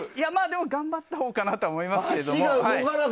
でも頑張ったほうかなとは思いますけど。